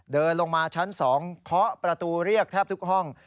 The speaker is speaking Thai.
เดินลงมาชั้น๒เคาะประตูเรียกแทบทุกห้อง